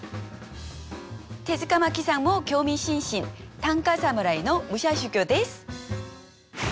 手塚マキさんも興味津々短歌侍の武者修行です。